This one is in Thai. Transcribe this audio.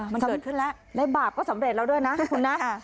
มันเกิดขึ้นแล้วและบาปก็สำเร็จแล้วด้วยนะคุณนะ